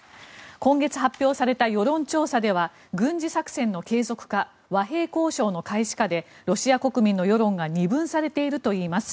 今月発表された世論調査では軍事作戦の継続か和平交渉の開始かでロシア国民の世論が二分されているといいます。